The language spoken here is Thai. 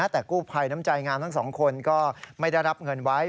แต่กู้ภัยน้ำใจงามทั้งสองคนก็ไม่ได้รับเงินไว้